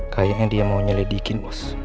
kayaknya dia mau nyeledikin bos